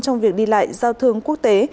trong việc đi lại giao thương quốc tế